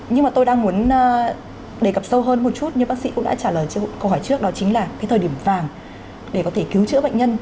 nhưng mà tôi đang muốn đề cập sâu hơn một chút như bác sĩ cũng đã trả lời cho câu hỏi trước đó chính là cái thời điểm vàng để có thể cứu chữa bệnh nhân